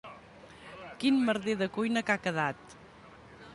Quin merder de cuina que ha quedat.